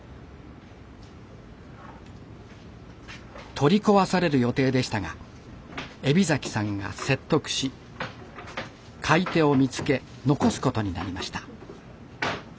取り壊される予定でしたが海老さんが説得し買い手を見つけ残すことになりました。